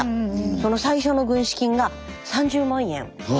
その最初の軍資金が３０万円。